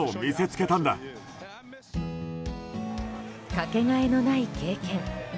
かけがえのない経験。